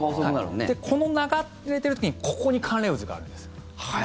で、この流れている時にここに寒冷渦があるんですよ。